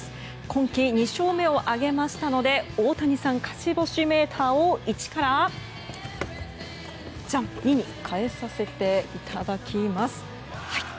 今季２勝目を挙げましたので大谷さん勝ち星メーターを１から２に変えさせていただきます。